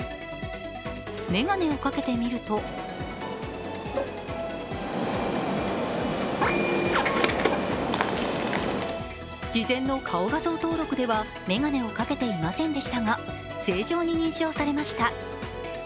眼鏡をかけてみると事前の顔画像登録では眼鏡をかけていませんでしたが正常に認証されました。